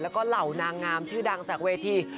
แล้วก็เหล่านางงามชื่อดังจากเวที